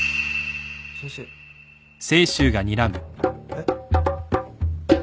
えっ？